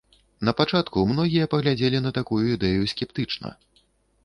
Напачатку многія паглядзелі на такую ідэю скептычна.